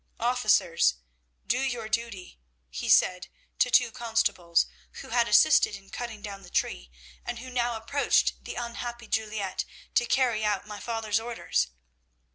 "'Officers, do your duty,' he said to two constables, who had assisted in cutting down the tree, and who now approached the unhappy Juliette to carry out my father's orders.